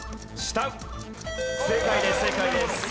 正解です正解です。